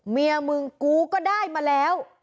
เมียมึงกูก็ได้มาแล้ว